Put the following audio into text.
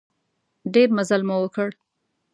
ډېر مزل مو وکړ.